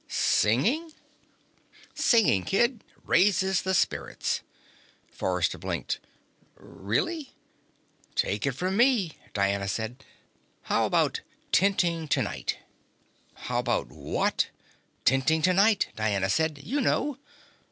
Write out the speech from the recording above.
"Singing?" "Singing, kid. Raises the spirits." Forrester blinked. "Really?" "Take it from me," Diana said. "How about Tenting Tonight?" "How about what?" "Tenting Tonight," Diana said. "You know."